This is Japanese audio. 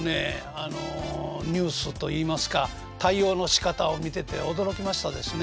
あのニュースといいますか対応のしかたを見てて驚きましたですね。